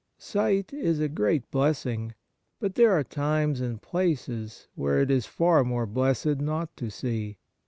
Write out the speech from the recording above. Sight is a great blessing, but there are times and places where it is far more blessed not to see.